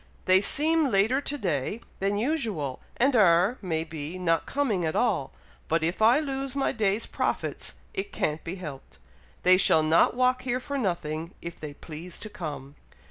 They seem later to day than usual, and are, may be, not coming at all; but if I lose my day's profits, it can't be helped. They shall not walk here for nothing, if they please to come!"